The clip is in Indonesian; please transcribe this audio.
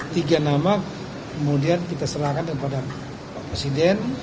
tiga nama kemudian kita serahkan kepada pak presiden